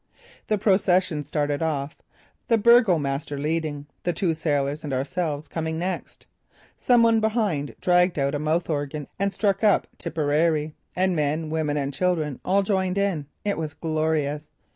The procession started off, the burgomaster leading, the two sailors and ourselves coming next. Some one behind dragged out a mouth organ and struck up Tipperary, and men, women and children all joined in. It was glorious.